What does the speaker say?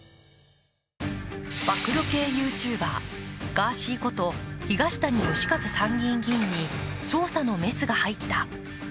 暴露系ＹｏｕＴｕｂｅｒガーシーこと東谷義和参議院議員に捜査のメスが入った。